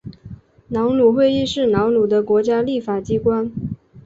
瑙鲁议会是瑙鲁的国家立法机关。